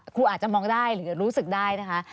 ครูอาจจะมองได้หรือรู้สึกได้นะคะ